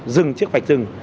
dừng chiếc vạch dừng